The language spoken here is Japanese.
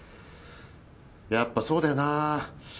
やっぱそうだよな。